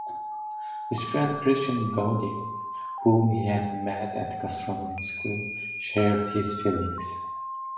His friend Christian Gaudian, whom he had met at gastronomy school, shared his feelings.